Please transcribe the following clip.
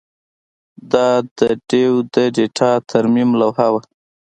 دا د ډیو د ډیټا ترمیم لوحه وه